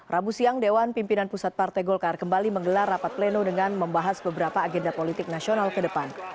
rabu siang dewan pimpinan pusat partai golkar kembali menggelar rapat pleno dengan membahas beberapa agenda politik nasional ke depan